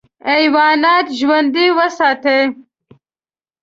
حیوانات ژوندي وساتې.